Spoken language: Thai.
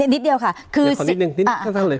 นี่นิดเดียวค่ะคือขอนิดหนึ่งนิดหนึ่งขั้นขั้นเลย